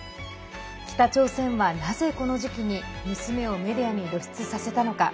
北朝鮮は、なぜこの時期に娘をメディアに露出させたのか。